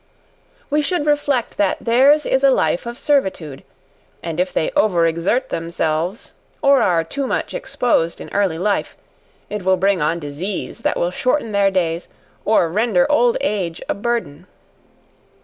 We should reflect that theirs is a life of servitude, and if they over exert themselves, or are too much exposed in early life, it will bring on disease that will shorten their days, or render old age a burden.